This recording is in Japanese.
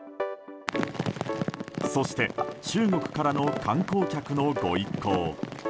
そして中国からの観光客のご一行。